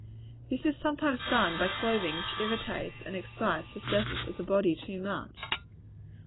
This is sometimes done by clothing which irritates and excites the surface of the body too much.